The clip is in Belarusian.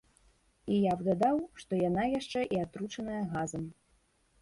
І я б дадаў, што яна яшчэ і атручаная газам.